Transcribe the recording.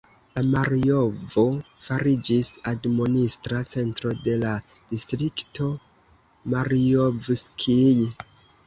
La Marjovo fariĝis admonistra centro de la distrikto Marjovskij.